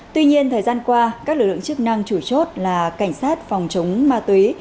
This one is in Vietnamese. tuy nhiên thời gian qua các lực lượng chức năng chủ chốt là cảnh sát phòng chống ma túy